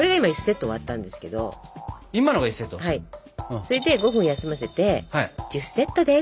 それで５分休ませて１０セットです。